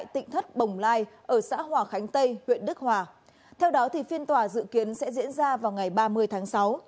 theo đó phiên tòa dự kiến sẽ diễn ra vào ngày ba mươi tháng sáu